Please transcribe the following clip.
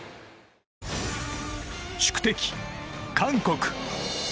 宿敵・韓国。